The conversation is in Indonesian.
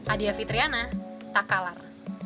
adia fitriana takalar